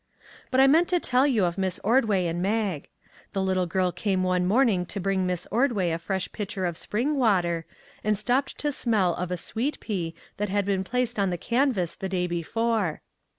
But I meant to tell you of Miss Ordway and 254 A HARD LESSON Mag. The little girl came one morning to bring Miss Ordway a fresh pitcher of spring water, and stopped to smell of a sweet pea that had been placed on the canvas the day before.